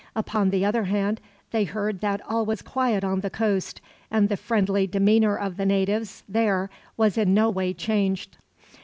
Upon the other hand, they heard that all was quiet on the coast; and the friendly demeanor of the natives, there, was in no way changed.